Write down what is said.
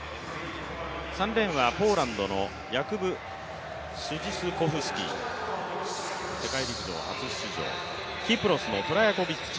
３レーンはポーランドのヤクブ・スジスコフスキ世界陸上初出場、キプロスのトラヤコビッチ。